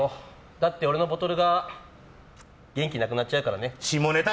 だって俺のボトルが元気なくなっちゃうからね。